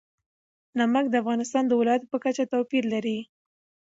نمک د افغانستان د ولایاتو په کچه توپیر لري.